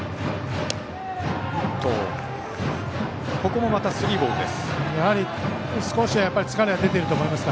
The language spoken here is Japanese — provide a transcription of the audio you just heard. ここもまたスリーボールです。